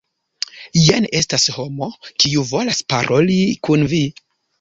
Jen estas homo, kiu volas paroli kun vi.